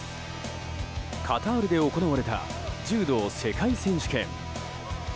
カタールで行われた柔道世界選手権。